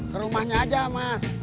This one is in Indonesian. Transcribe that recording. ke rumahnya aja mas